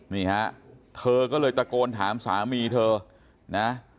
นี่ฮะเธอก็เลยตะโกนถามสามีเธอนะ